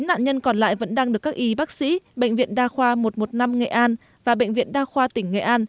chín nạn nhân còn lại vẫn đang được các y bác sĩ bệnh viện đa khoa một trăm một mươi năm nghệ an và bệnh viện đa khoa tỉnh nghệ an